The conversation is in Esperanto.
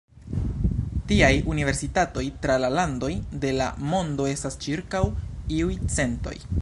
Tiaj universitatoj tra la landoj de la mondo estas ĉirkaŭ iuj centoj.